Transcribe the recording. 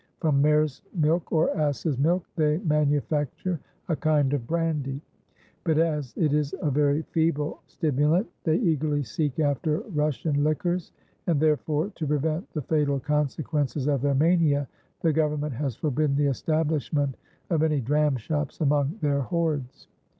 From mare's milk or ass's milk they manufacture a kind of brandy; but as it is a very feeble stimulant, they eagerly seek after Russian liquors; and therefore, to prevent the fatal consequences of their mania, the government has forbidden the establishment of any dram shops among their hordes.